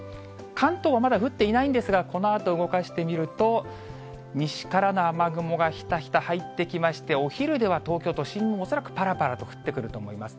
関東はまだ降っていないんですが、このあと動かしてみると、西からの雨雲がひたひた入ってきまして、お昼では東京都心も恐らくぱらぱらと降ってくると思います。